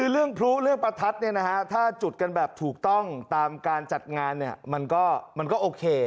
เรื่องพลุเรื่องประทัดถ้าจุดกันแบบถูกต้องตามการจัดงานมันก็โอเค